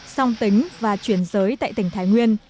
song tính và chuyển giới tại tỉnh thái nguyên